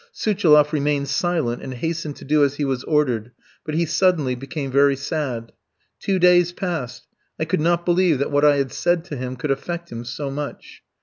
Suchiloff remained silent and hastened to do as he was ordered, but he suddenly became very sad. Two days passed. I could not believe that what I had said to him could affect him so much.